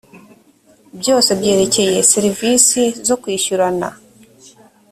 byose byerekeye serivisi zo kwishyurana .